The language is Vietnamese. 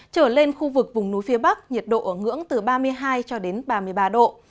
trở lên khu vực vùng núi phía bắc nhiệt độ ở ngưỡng từ ba mươi hai cho đến ba mươi ba độ